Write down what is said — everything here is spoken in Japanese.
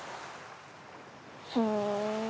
ふん。